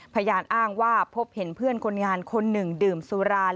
พยานอ้างว่าพบเห็นเพื่อนคนงานคนหนึ่งดื่มสุรา